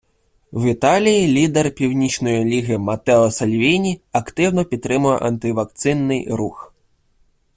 В Італії лідер Північної Ліги Матео Сальвіні активно підтримує анти-вакцинний рух.